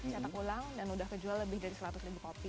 catak ulang dan sudah dijual lebih dari seratus kopi